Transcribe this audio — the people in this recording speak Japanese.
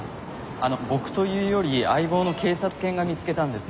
あの僕というより相棒の警察犬が見つけたんです。